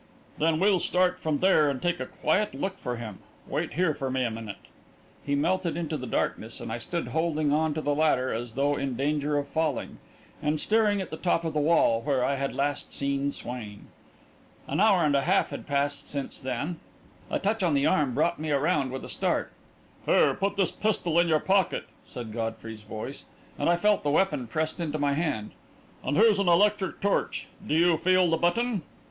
"Then we'll start from there and take a quiet look for him. Wait here for me a minute." He melted into the darkness, and I stood holding on to the ladder as though in danger of falling, and staring at the top of the wall, where I had last seen Swain. An hour and a half had passed since then.... A touch on the arm brought me around with a start. "Here, put this pistol in your pocket," said Godfrey's voice, and I felt the weapon pressed into my hand. "And here's an electric torch. Do you feel the button?"